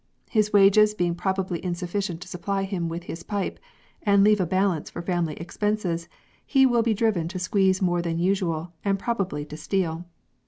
His wages being probably insufficient to supply him with his pipe and leave a balance for family expenses, he will be driven to squeeze more than usual, and probably to steal.